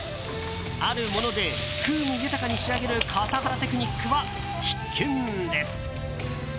あるもので風味豊かに仕上げる笠原テクニックは必見です。